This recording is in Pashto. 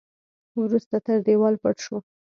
وروسته تر دېوال پټ شو.